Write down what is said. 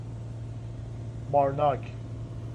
مارناک